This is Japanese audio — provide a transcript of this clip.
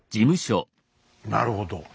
なるほど。